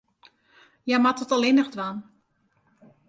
Hja moat it no allinnich dwaan.